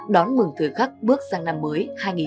đón mừng thời khắc bước sang năm mới